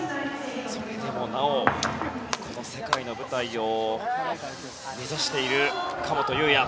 それでもなお世界の舞台を目指している、神本雄也。